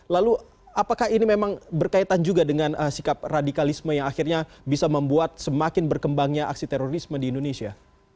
lalu apakah ini memang berkaitan juga dengan sikap radikalisme yang akhirnya bisa membuat semakin berkembangnya aksi terorisme di indonesia